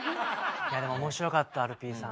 でも面白かったアルピーさん。